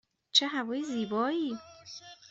چه هوای زیبایی!